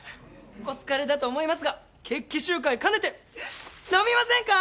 お疲れだと思いますが決起集会兼ねて飲みませんか？